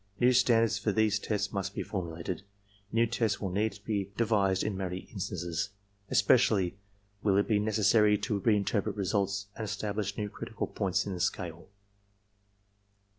New standards for these tests must be formulated. New tests will need to be de vised in many instances. Especially will it be necessary to reinterpret results and establish new critical points in the scale.